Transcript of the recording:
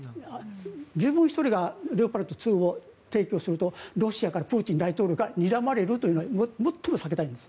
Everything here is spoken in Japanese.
自分１人がレオパルト２を提供するとロシアから、プーチン大統領からにらまれるというのは最も避けたいんです。